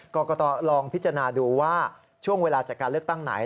กรกตลองพิจารณาดูว่าช่วงเวลาจากการเลือกตั้งไหน